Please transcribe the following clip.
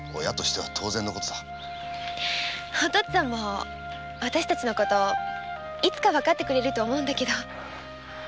お父っつぁんもいつか私たちの事をわかってくれると思うけど。